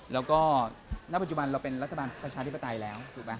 แล้วก็ณปัจจุบันเราเป็นรัฐบาลประชาธิปไตยแล้วถูกไหม